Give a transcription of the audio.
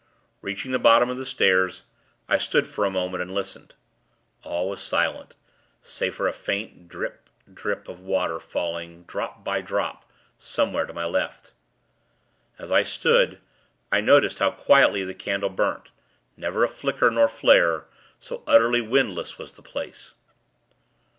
Reaching the bottom of the stairs, I stood for a minute, and listened. All was silent, save for a faint drip, drip of water, falling, drop by drop, somewhere to my left. As I stood, I noticed how quietly the candle burnt; never a flicker nor flare, so utterly windless was the place.